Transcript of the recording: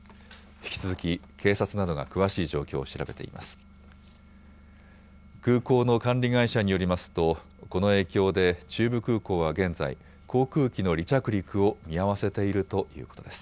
引き続き警察などが詳しい状況を調べています。